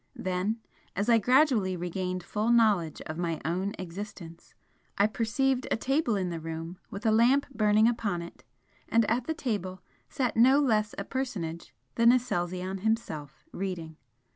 Then, as I gradually regained full knowledge of my own existence, I perceived a table in the room with a lamp burning upon it, and at the table sat no less a personage than Aselzion himself, reading.